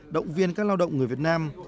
động viên các lao động người việt nam